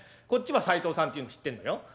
こっちは斉藤さんっていうの知ってんのよ。